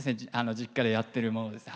実家でやってるものです。